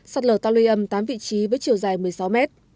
sạt lở ta lưu âm tám vị trí với chiều dài một mươi sáu m